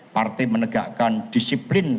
partai menegakkan disiplin